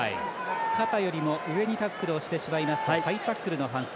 肩よりも上にタックルをしてしまいますとハイタックルの反則。